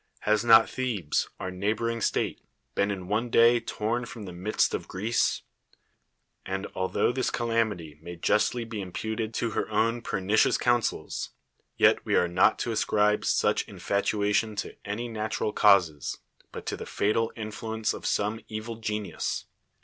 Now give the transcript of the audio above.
Has not Thebes, our 1 neighboring state been ii] one day toT'n from the j midst of (ireece? And. altho this calamity may justly be imputed to her own pernicious councils, yet W(^ are n;)t to ascribe sufh in I fatuation to any natural causes, but to the fatal i inf!ui'!!C(' of some evil gcniu.s.